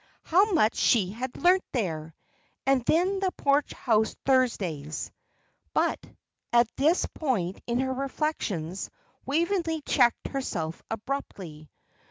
How much she had learnt there! And then the Porch House Thursdays But at this point in her reflections Waveney checked herself abruptly.